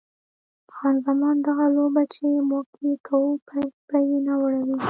خان زمان: دغه لوبه چې موږ یې کوو پایله به یې ناوړه وي.